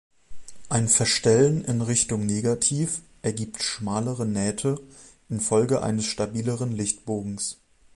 Ein Verstellen in Richtung negativ ergibt schmalere Nähte infolge eines stabileren Lichtbogens.